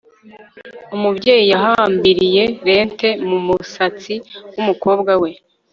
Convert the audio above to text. Umubyeyi yahambiriye lente mu musatsi wumukobwa we